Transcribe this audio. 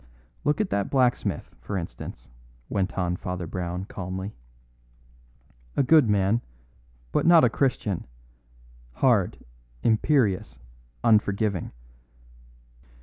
"Look at that blacksmith, for instance," went on Father Brown calmly; "a good man, but not a Christian hard, imperious, unforgiving.